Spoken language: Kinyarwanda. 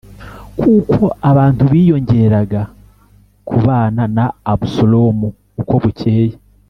kuko abantu biyongeraga kubana na Abusalomu uko bukeye.